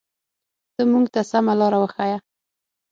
ته مونږ ته سمه لاره وښایه.